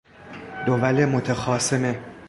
دول متخاصمه